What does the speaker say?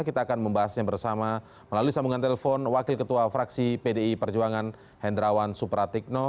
kita akan membahasnya bersama melalui sambungan telepon wakil ketua fraksi pdi perjuangan hendrawan supratikno